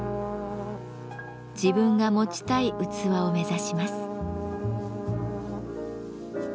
自分が持ちたい器を目指します。